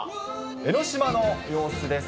江の島の様子です。